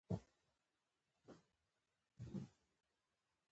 د هنر درلودل له قدرت درلودلو څخه زر ځله بهتر دي.